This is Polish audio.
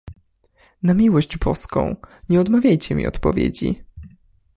"Na miłość Boską, nie odmawiajcie mi odpowiedzi!"